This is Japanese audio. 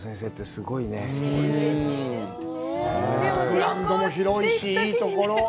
グラウンドも広いし、いいところ。